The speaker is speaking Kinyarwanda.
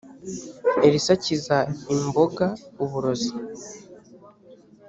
elisa akiza imboga uburozi